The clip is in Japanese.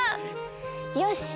よし！